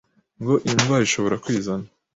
ngo iyi ndwara ishobora kwizana